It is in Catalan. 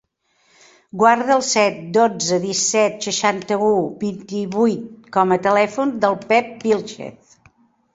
Guarda el set, dotze, disset, seixanta-u, vint-i-vuit com a telèfon del Pep Vilchez.